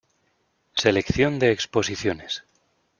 Selección de exposiciones